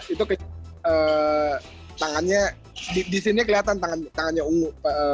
itu kayak tangannya disini keliatan tangannya ungu